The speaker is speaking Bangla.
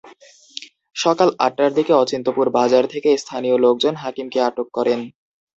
সকাল আটটার দিকে অচিন্ত্যপুর বাজার থেকে স্থানীয় লোকজন হাকিমকে আটক করেন।